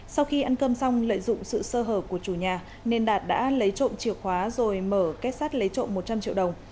sau khi ăn cơm xong lợi dụng sự sơ hở của chủ nhà nên đạt đã lấy trộm chìa khóa rồi mở kết sát lấy trộm một trăm linh triệu đồng